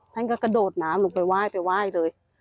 ท่านก็กระโดดน้ำลงไปไหว้ไปไหว้เลย